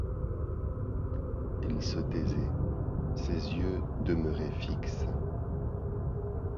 Il se taisait, ses yeux demeuraient fixes.